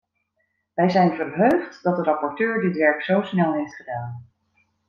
Wij zijn verheugd dat de rapporteur dit werk zo snel heeft gedaan.